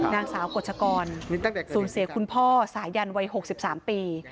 นางสาวกฎชกรสูญเสียคุณพ่อสายันวัย๖๓ปี